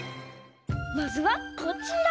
まずはこちら。